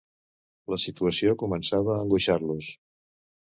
La situació començava a angoixar-los.